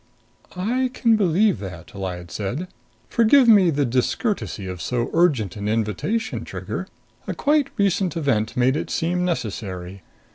"I can believe that," Lyad said. "Forgive me the discourtesy of so urgent an invitation, Trigger. A quite recent event made it seem necessary.